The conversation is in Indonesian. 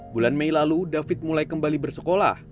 bulan mei lalu david mulai kembali bersekolah